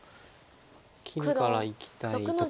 切りからいきたいところです。